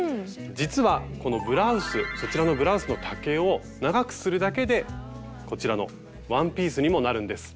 実はこのブラウスそちらのブラウスの丈を長くするだけでこちらのワンピースにもなるんです。